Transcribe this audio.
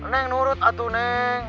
neng nurut atuh neng